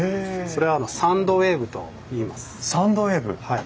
それは「サンドウェーブ」と言います。